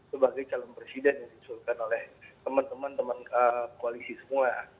sebagai calon presiden yang diusulkan oleh teman teman koalisi semua